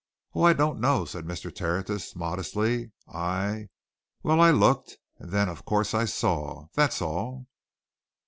"Oh, I don't know," said Mr. Tertius, modestly. "I well, I looked and then, of course, I saw. That's all!"